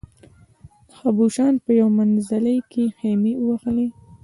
د خبوشان په یو منزلي کې خېمې ووهلې.